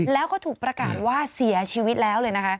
แล้วก็ถูกประกาศว่าเสียชีวิตแล้วเลยนะคะ